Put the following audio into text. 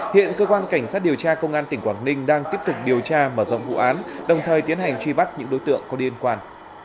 hiện cơ quan cảnh sát điều tra công an tỉnh quảng ninh đang tiếp tục điều tra mở rộng vụ án đồng thời tiến hành truy bắt những đối tượng có liên quan